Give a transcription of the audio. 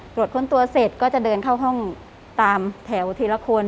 ค้นตัวเสร็จก็จะเดินเข้าห้องตามแถวทีละคน